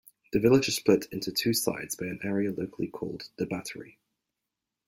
The village is split into two sides by an area locally called 'The Battery'.